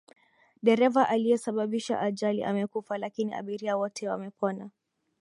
Dereva aliyesababisha ajali amekufa lakini abiria wote wamepona.